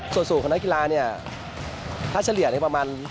ส่วนสูงของนักกีฬาถ้าเฉลี่ยนประมาณ๑๙๐